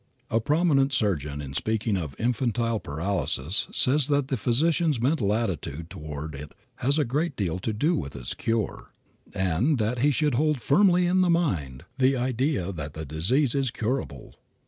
A prominent surgeon in speaking of infantile paralysis says that the physician's mental attitude toward it has a great deal to do with its cure, and that he should hold firmly in mind the idea that the disease is curable.